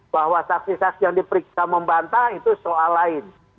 bahwa saksi saksi yang diperiksa membantah itu soal lain